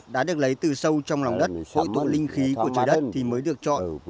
đã được lấy từ sâu trong lòng đất hội tụ linh khí của trời đất thì mới được chọn